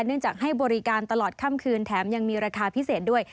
เนื่องจากให้บริการตลอดค่ำคืนแถมยังมีราคาพิเศษด้วย